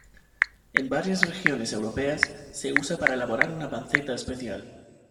En varias regiones europeas se usa para elaborar una panceta especial.